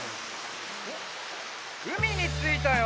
おっうみについたよ！